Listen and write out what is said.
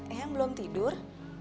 eyang belum tidur